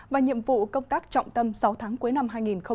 và nhiệm vụ công tác trọng tâm sáu tháng cuối năm hai nghìn hai mươi